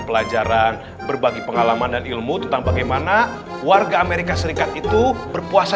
pelajaran berbagi pengalaman dan ilmu tentang bagaimana warga amerika serikat itu berpuasa